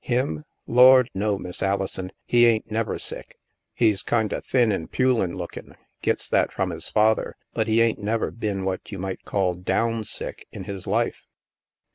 " Him ? Lord, no. Miss Alison. He ain't never sick. He's kinda thin an' pulin' lookin' — gets that from his father. But he ain't never bin what you might call down sick in his life."